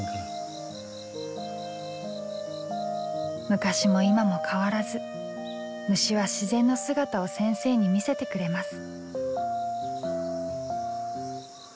昔も今も変わらず虫は自然の姿を先生に見せてくれます。